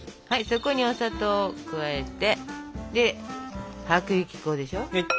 そこにお砂糖を加えてで薄力粉でしょ。